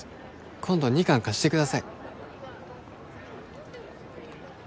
「今度２巻貸してください！」